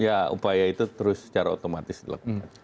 ya upaya itu terus secara otomatis dilakukan